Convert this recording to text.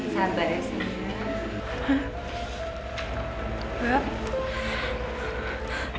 sambah ya senyum